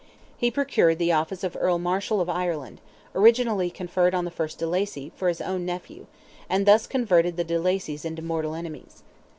He procured the office of Earl Marshal of Ireland—originally conferred on the first de Lacy—for his own nephew, and thus converted the de Lacys into mortal enemies.